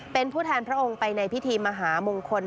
เป็นผู้แทนพระองค์ไปในพิธีมหามงคล